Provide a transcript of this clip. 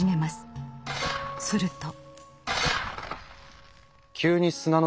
すると。